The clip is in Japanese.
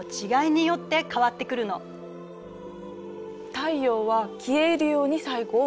太陽は消え入るように最後を迎える。